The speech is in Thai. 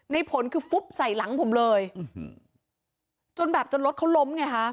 ผลคือฟุบใส่หลังผมเลยจนแบบจนรถเขาล้มไงฮะ